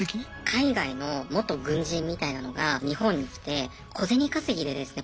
海外の元軍人みたいなのが日本に来て小銭稼ぎでですね